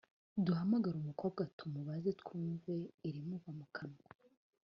duhamagare umukobwa tumubaze twumve irimuva mu kanwa